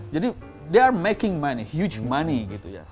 jadi mereka membuat uang uang besar gitu ya